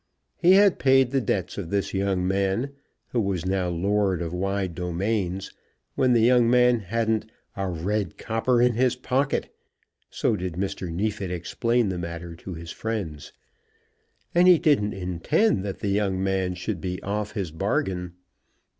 He had paid the debts of this young man, who was now lord of wide domains, when the young man hadn't "a red copper in his pocket," so did Mr. Neefit explain the matter to his friends, and he didn't intend that the young man should be off his bargain.